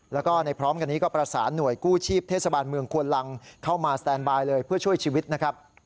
แล้วก็ในพร้อมกันนี้ก็ประสานหน่วยกู้ชีพเทศบาลเมืองควนลังเข้ามาสแตนบายเลยเพื่อช่วยชีวิตนะครับ